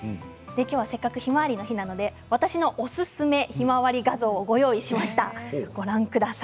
きょうせっかくひまわりの日なので私のおすすめ、ひまわり画像をご用意しました。